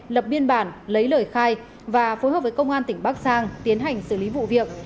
lập biên bản lấy lời khai và phối hợp với công an tỉnh bắc giang tiến hành xử lý vụ việc